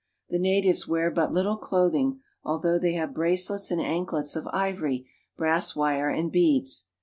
The natives wear but little cloth ing although they have bracelets and anklets of ivory, brass wire, and beads.